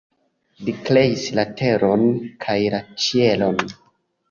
Li kreis la teron kaj la ĉielon.